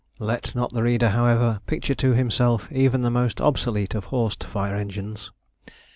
Let not the reader, however, picture to himself even the most obsolete of horsed fire engines.